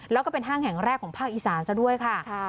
แล้วก็เป็นห้างแห่งแรกของภาคอีสานซะด้วยค่ะ